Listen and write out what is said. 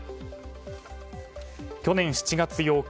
去年７月８日